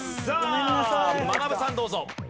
さあまなぶさんどうぞ。